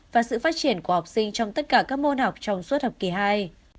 và sự phát triển của học sinh trong tất cả các môn học trong suốt học kỳ hai